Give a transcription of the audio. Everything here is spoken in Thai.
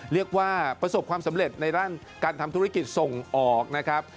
ประสบความสำเร็จในด้านการทำธุรกิจส่งออกนะครับ